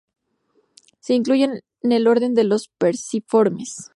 Se incluye en el Orden de los Perciformes.